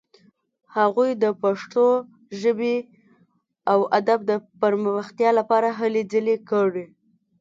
هغوی د پښتو ژبې او ادب د پرمختیا لپاره هلې ځلې کړې.